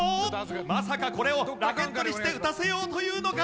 まさかこれをラケットにして打たせようというのか？